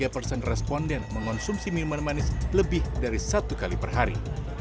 tiga persen responden mengonsumsi minuman manis lebih dari satu kali per hari